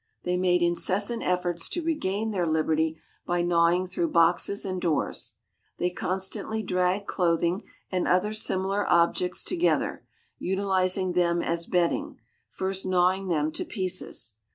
They made incessant efforts to regain their liberty by gnawing through boxes and doors. They constantly dragged clothing and other similar objects together, utilizing them as bedding, first gnawing them to pieces.